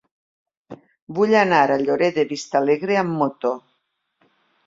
Vull anar a Lloret de Vistalegre amb moto.